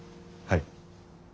はい。